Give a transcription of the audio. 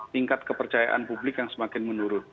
tingkat kepercayaan publik yang semakin menurun